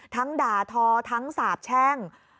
ทั้งดาทอทั้งสาบแช่ง